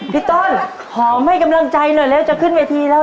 พี่ต้นหอมให้กำลังใจหน่อยแล้วจะขึ้นเวทีแล้ว